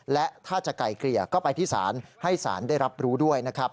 และถ้าจะไกลเกลี่ยก็ไปที่ศาลให้สารได้รับรู้ด้วยนะครับ